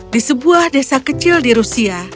di sebuah desa kecil di rusia